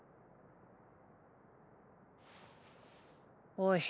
おい。